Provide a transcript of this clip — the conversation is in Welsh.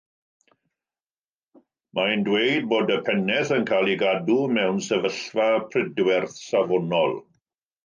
Mae'n dweud bod y pennaeth yn cael ei gadw mewn sefyllfa pridwerth safonol.